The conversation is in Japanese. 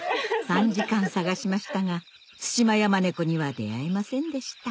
３時間探しましたがツシマヤマネコには出合えませんでした